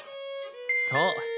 そう。